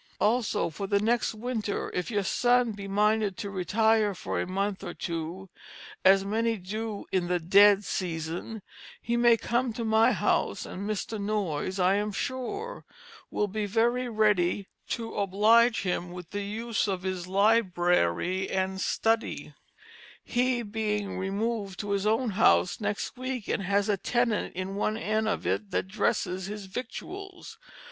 Also for the next Winter if your Son be minded to Retire for a month or two, as many do in the Dead Season, he may come to my howse, and Mr. Noyes, I am sure, will be very ready to oblige him, with the use of his Library and Stoody, he being Remooved to his own House next weeke, and has a Tenant in one end of it that dresses his Victualls.